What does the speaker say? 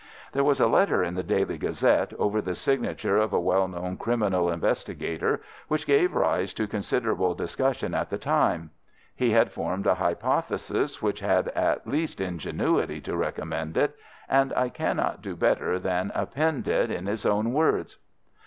There was a letter in the Daily Gazette, over the signature of a well known criminal investigator, which gave rise to considerable discussion at the time. He had formed a hypothesis which had at least ingenuity to recommend it, and I cannot do better than append it in his own words.